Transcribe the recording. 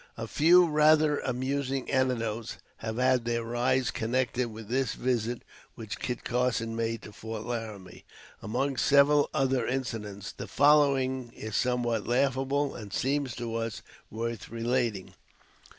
A few rather amusing anecdotes have had their rise connected with this visit which Kit Carson made to Fort Laramie. Among several other incidents the following is somewhat laughable and seems to us worth relating.